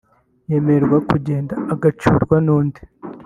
yemererwa kugenda agucyurwa n’undi